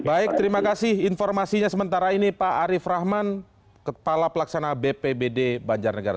baik terima kasih informasinya sementara ini pak arief rahman kepala pelaksana bpbd banjarnegara